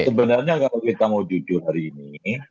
sebenarnya kalau kita mau jujur hari ini